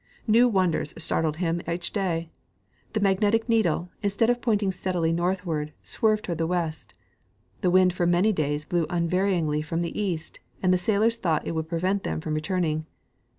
New wonders startled him each day. The magnetic needle, instead of pointing steadily northward, swerved toward the west. The wind for many days blew unvaryingly from the east, and the sailors thought it would prevent them from returning.